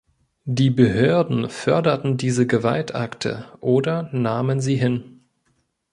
Die Behörden förderten diese Gewaltakte oder nahmen sie hin.